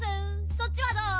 そっちはどう？